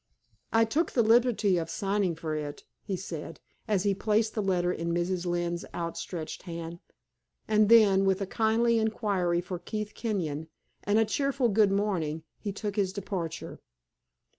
"I took the liberty of signing for it," he said, as he placed the letter in Mrs. Lynne's outstretched hand. And then, with a kindly inquiry for Keith Kenyon, and a cheerful good morning, he took his departure.